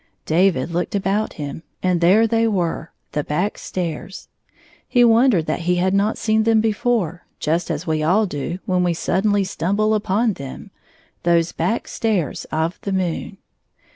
David looked about hiin, and there they were — the back stairs. He wondered that he had not seen them before, just as we all do when we sud denly stumble upon them — those back stairs of the moon.